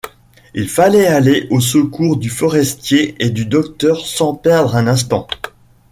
Il fallait aller au secours du forestier et du docteur sans perdre un instant.